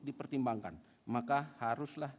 dipertimbangkan maka haruslah